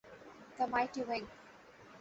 The mighty ওয়েঙ্ক!